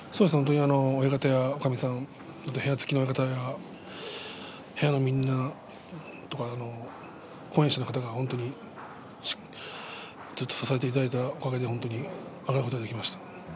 親方や、おかみさん部屋付きの親方や部屋のみんなとか後援者の方が、本当にずっと支えていただいたおかげで上がることができました。